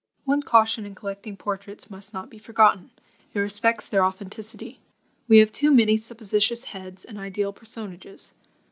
One caution in collecting portraits must not be forgotten; it respects their authenticity. We have too many supposititious heads, and ideal personages.